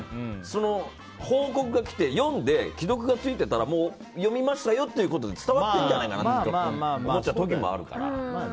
その報告が来て、読んで既読がついてたらもう読みましたよってことで伝わってるんじゃないかと思っちゃう時もあるから。